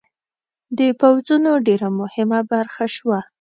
د پوځونو ډېره مهمه برخه شوه.